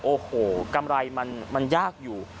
โอ้โหกำไรมันยากอยู่